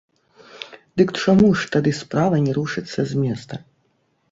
Дык чаму ж тады справа не рушыцца з месца?